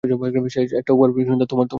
শেষ একটা উপহার প্রিয় সন্তান, তোমার জন্য।